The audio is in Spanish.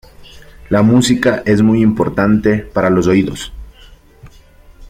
Este disco es más electrónico, más disco y más soul.